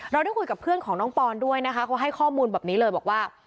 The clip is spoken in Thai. ได้คุยกับเพื่อนของน้องปอนด้วยนะคะเขาให้ข้อมูลแบบนี้เลยบอกว่า